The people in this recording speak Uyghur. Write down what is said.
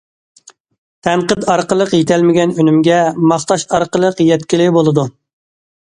تەنقىد ئارقىلىق يېتەلمىگەن ئۈنۈمگە، ماختاش ئارقىلىق يەتكىلى بولىدۇ.